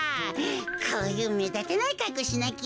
こういうめだたないかっこうしなきゃ。